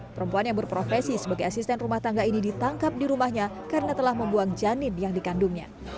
perempuan yang berprofesi sebagai asisten rumah tangga ini ditangkap di rumahnya karena telah membuang janin yang dikandungnya